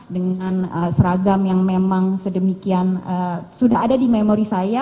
dengan seragam yang memang sedemikian sudah ada di memori saya